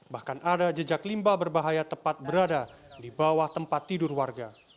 bahkan ada jejak limbah berbahaya tepat berada di bawah tempat tidur warga